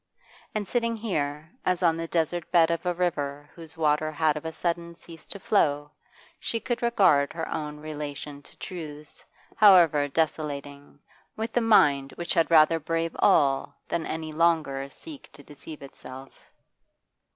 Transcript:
And sitting here, as on the desert bed of a river whose water had of a sudden ceased to flow, she could regard her own relation to truths, however desolating, with the mind which had rather brave all than any longer seek to deceive itself.